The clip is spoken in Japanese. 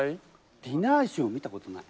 ディナーショーを見たことない。